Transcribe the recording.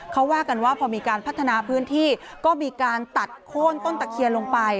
เขาว่ากันว่าพอมีการพัฒนาพื้นที่ก็มีการตัดโค้นต้นตะเคียนลงไป